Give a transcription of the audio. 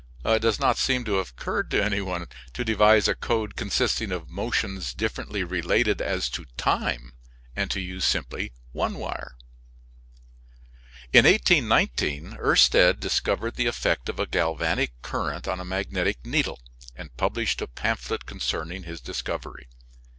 It does not seem to have occurred to any one to devise a code consisting of motions differently related as to time, and to use simply one wire. In 1819 Oersted discovered the effect of a galvanic current on a magnetic needle, and published a pamphlet concerning his discovery.